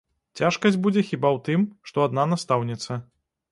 Цяжкасць будзе хіба ў тым, што адна настаўніца.